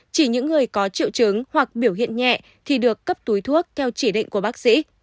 chỉ những người có triệu chứng hoặc biểu hiện nhẹ thì được cấp túi thuốc theo chỉ định của bác sĩ